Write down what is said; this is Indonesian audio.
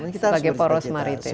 sebagai poros maritim